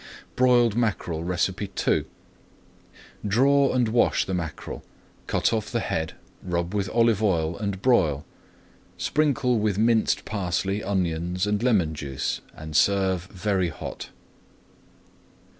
[Page 210] BROILED MACKEREL II Draw and wash the mackerel, cut off the head, rub with olive oil, and broil. Sprinkle with minced parsley, onions, and lemon juice, and serve very hot.